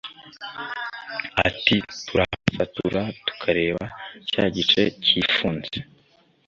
Ati “Turahasatura tukareba cya gice cyifunze